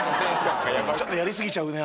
「ちょっとやりすぎちゃうね